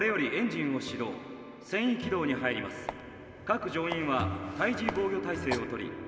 各乗員は対Ｇ防御態勢を取り」。